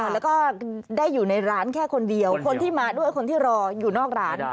แล้วก็ได้อยู่ในร้านแค่คนเดียวคนที่มาด้วยคนที่รออยู่นอกร้าน